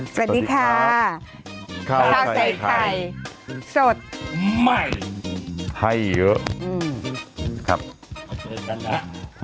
สวัสดีค่ะข้าวใส่ไข่สดใหม่ให้เยอะครับเชิญกันนะ